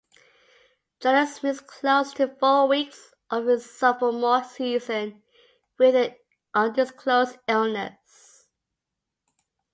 Jones missed close to four weeks of his sophomore season with an undisclosed illness.